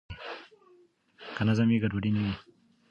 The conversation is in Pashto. که نظم وي ګډوډي نه وي.